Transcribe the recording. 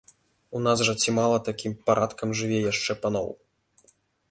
У нас жа ці мала такім парадкам жыве яшчэ паноў!